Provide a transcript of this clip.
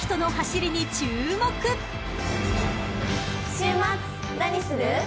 週末何する？